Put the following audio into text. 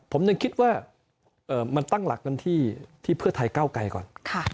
ผมจำกิดว่าเอ่อมันตั้งหลักมันที่ที่เพื่อไทยเก้าไกลก่อนค่ะ